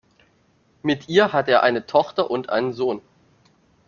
Mit ihr hat er eine Tochter und einen Sohn.